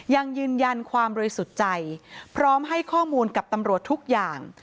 ยังยืนยันความบริสุทธิ์ใจพร้อมให้ข้อมูลกับตำรวจทุกอย่าง